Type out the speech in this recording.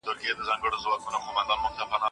د ماهيپر لاره مې ساه را لنډوينه